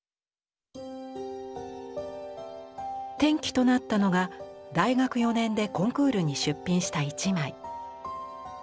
転機となったのが大学４年でコンクールに出品した一枚。